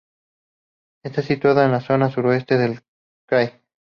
Está situada en la zona suroeste del "krai".